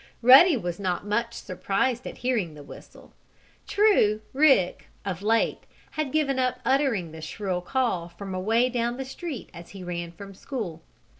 Ruddy was not much surprised at hearing the whistle. True Rick, of late, had given up uttering the shrill call from away down the street as he ran from school.